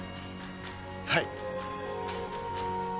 はい。